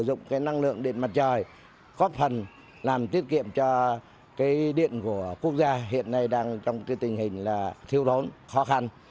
sử dụng cái năng lượng điện mặt trời góp phần làm tiết kiệm cho cái điện của quốc gia hiện nay đang trong cái tình hình là thiêu đốn khó khăn